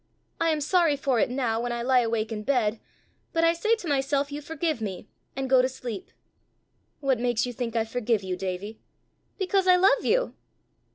I am sorry for it now when I lie awake in bed; but I say to myself you forgive me, and go to sleep." "What makes you think I forgive you, Davie?" "Because I love you."